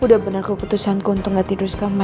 udah bener keputusan ku untuk nggak tidur di kamar nanti